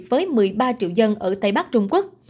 với một mươi ba triệu dân ở tây bắc trung quốc